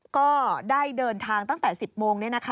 ก็ได้เดินทางตั้งแต่๑๐โมง